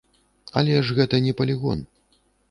Але ж гэта не палігон!